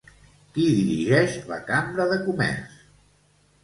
Qui dirigeix la Cambra de Comerç?